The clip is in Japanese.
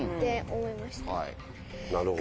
なるほど。